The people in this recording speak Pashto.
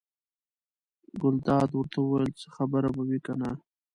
ګلداد ورته وویل: څه خبره به وي کنه.